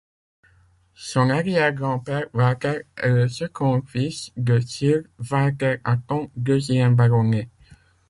Son arrière-grand-père, Walter, est le second fils de Sir Walter Acton, deuxième baronnet.